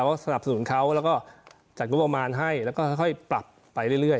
ก็สนับสนุนเขาแล้วก็จัดงบประมาณให้แล้วก็ค่อยปรับไปเรื่อย